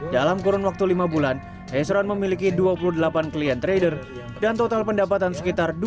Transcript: dalam kurun waktu lima bulan hesron memiliki dua puluh delapan klien trader dan total pendapatan sekitar dua puluh enam juta rupiah